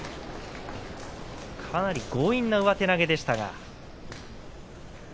かなり強引な上手投げでした。